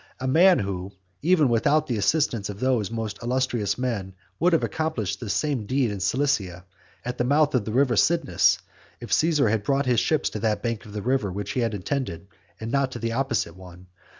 a man who, even without the assistance of these other most illustrious men, would have accomplished this same deed in Cilicia, at the mouth of the river Cydnus, if Caesar had brought his ships to that bank of the river which he had intended, and not to the opposite one.